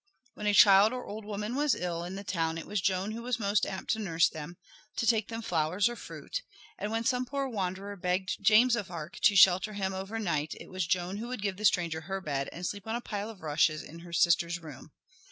When a child or an old woman was ill in the town it was Joan who was most apt to nurse them, to take them flowers or fruit; and when some poor wanderer begged James of Arc to shelter him over night it was Joan who would give the stranger her bed and sleep on a pile of rushes in her sister's room.